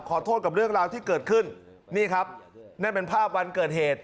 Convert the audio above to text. ขอโทษกับเรื่องราวที่เกิดขึ้นนี่ครับนั่นเป็นภาพวันเกิดเหตุ